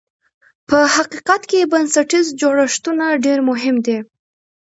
په حقیقت کې بنسټیز جوړښتونه ډېر مهم دي.